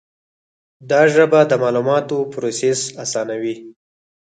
دا ژبه د معلوماتو پروسس آسانوي.